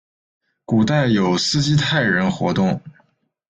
古代有斯基泰人活动。